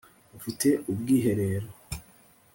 ufite ubwiherero